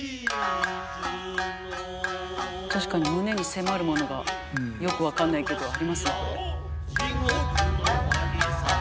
確かに胸に迫るものがよく分かんないけどありますねこれ。